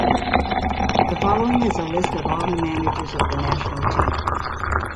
The following is a list of all managers of the national team.